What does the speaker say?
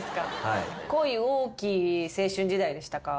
恋多き青春時代でしたか？